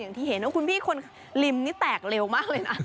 อย่างที่เห็นว่าคุณพี่คนริมนี่แตกเร็วมากเลยนะ